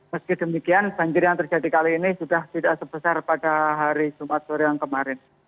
meski demikian banjir yang terjadi kali ini sudah tidak sebesar pada hari jumat sore yang kemarin